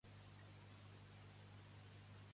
Àustria vol destruir la casa on va néixer el Führer.